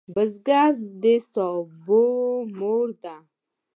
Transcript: بزګر د سبو مور دی